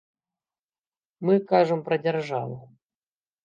Мы кажам пра дзяржаву.